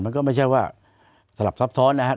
มันก็ไม่ใช่ว่าสลับซับซ้อนนะครับ